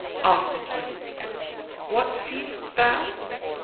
" Asked the king, "What seest thou?"